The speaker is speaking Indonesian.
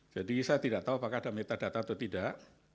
jadi saya tidak tahu apakah ada metadata atau tidak